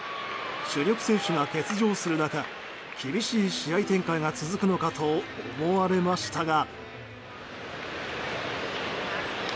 主力選手が欠場する中厳しい試合展開が続くのかと思われましたが。